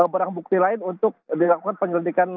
barang bukti lain untuk dilakukan penyelidikan